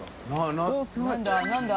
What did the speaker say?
何だ？